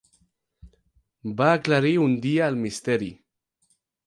Va aclarir un dia el misteri.